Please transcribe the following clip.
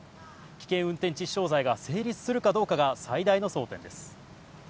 危険運転致死傷罪が成立するかどうかが最大の争点です。